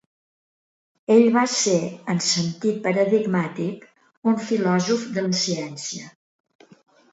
Ell va ser, en sentit paradigmàtic, un filòsof de la ciència.